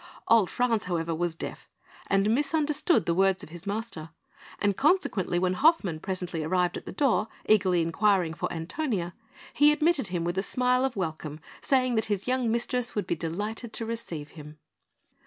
Old Franz, however, was deaf, and misunderstood the words of his master; and, consequently, when Hoffmann presently arrived at the door, eagerly inquiring for Antonia, he admitted him with a smile of welcome, saying that his young mistress would be delighted to receive him.